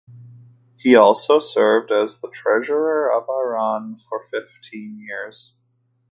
He also served as the Treasurer of Iran for fifteen years.